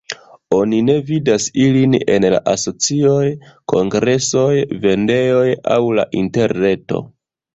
Oni ne vidas ilin en la asocioj, kongresoj, vendejoj aŭ la interreto.